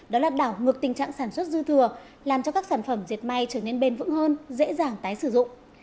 đó là đảo ngược tình trạng sản xuất dư thừa làm cho các sản phẩm diệt may trở nên bền vững hơn dễ dàng tái sử dụng